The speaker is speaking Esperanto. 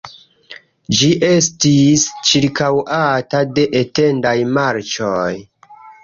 Ĝi estis ĉirkaŭata de etendaj marĉoj.